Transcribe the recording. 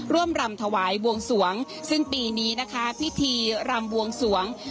รำถวายบวงสวงซึ่งปีนี้นะคะพิธีรำบวงสวง